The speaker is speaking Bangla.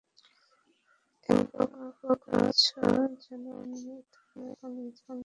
এমনভাবে অবাক হচ্ছ যেন আমি তোমায় নিয়ে পালিয়ে যাবো?